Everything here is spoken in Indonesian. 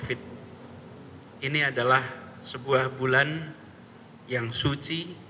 ini adalah sebuah bulan yang suci